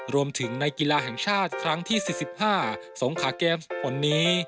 รวมถึงในกีฬาแห่งชาติครั้งที่๔๕สงขาเกมส์ผลนี้